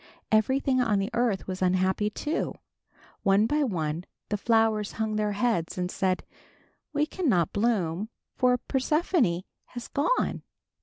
Everything on the earth was unhappy, too. One by one the flowers hung their heads and said, "We cannot bloom, for Persephone has gone."